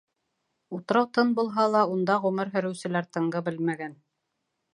Утрау тын булһа ла, унда ғүмер һөрөүселәр тынғы белмәгән.